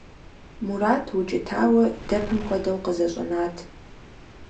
Мурат, укӀытауэ, дэпым хуэдэу къызэщӀэнат.